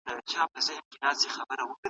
له خطر سره مخامخ کیدل زړه غواړي.